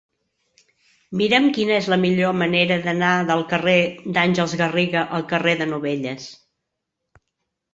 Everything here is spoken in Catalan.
Mira'm quina és la millor manera d'anar del carrer d'Àngels Garriga al carrer de Novelles.